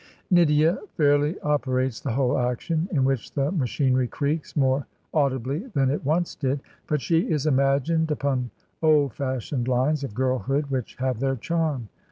Nydia fairly operates the whole action, in which the machinery creaks more audibly than it once did; but she is imagined upon old fashioned lines of girlhood which have their charm.